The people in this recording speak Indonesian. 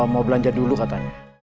mau belanja dulu katanya